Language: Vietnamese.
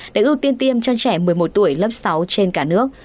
để ưu tiên tiêm cho trẻ một mươi một tuổi lớp sáu trên cả nước